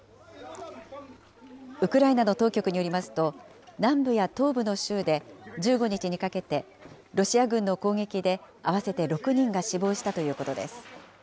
ウクライナの当局によりますと、南部や東部の州で、１５日にかけてロシア軍の攻撃で合わせて６人が死亡したということです。